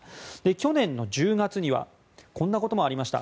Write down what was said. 去年の１１月にはこんなこともありました。